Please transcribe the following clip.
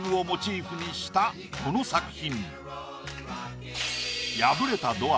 この作品。